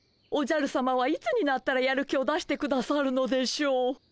おじゃるさまはいつになったらやる気を出してくださるのでしょう。